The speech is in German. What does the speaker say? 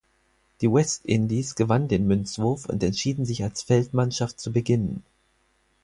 Die West Indies gewannen den Münzwurf und entschieden sich als Feldmannschaft zu beginnen.